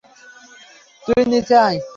তুই নিচে আয়!